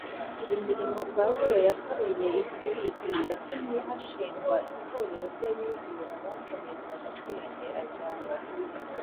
Imirimo Pawulo yakoreye i Filipi yatumye hashingwa Itorero ry’abizera bakomezaga kwiyongera cyane.